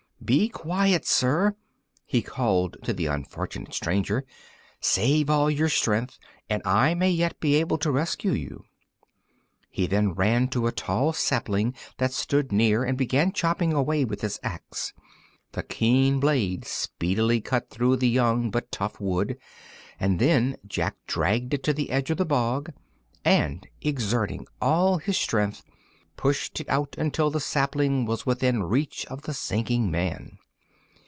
"Be quiet, sir!" he called to the unfortunate stranger; "save all your strength, and I may yet be able to rescue you." He then ran to a tall sapling that stood near and began chopping away with his axe. The keen blade speedily cut through the young but tough wood, and, then Jack dragged it to the edge of the bog, and, exerting all his strength, pushed it out until the sapling was within reach of the sinking man.